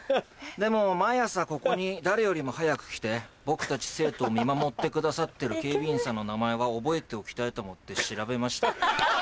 でも毎朝ここに誰よりも早く来て僕たち生徒を見守ってくださってる警備員さんの名前は覚えておきたいと思って調べました。